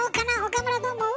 岡村どう思う？